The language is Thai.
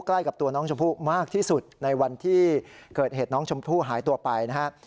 ใกล้กับตัวน้องชมพู่มากที่สุดในวันที่เกิดเหตุน้องชมพู่หายตัวไปนะครับ